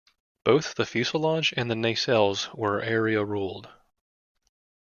Both the fuselage and the nacelles were area ruled.